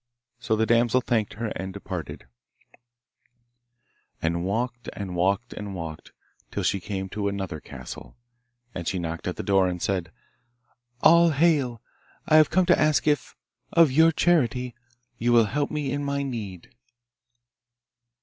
So the damsel thanked her, and departed, and walked and walked and walked till she came to another castle. And she knocked at the door, and said: 'All hail! I have come to ask if, of your charity, you will help me in my need.